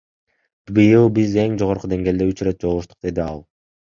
Быйыл биз эң жогорку деңгээлде үч ирет жолугуштук, — деди ал.